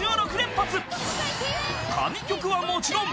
［神曲はもちろん］